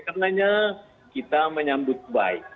karena kita menyambut baik